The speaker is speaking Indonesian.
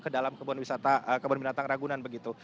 ke dalam kebun wisata kebun binatang ragunan begitu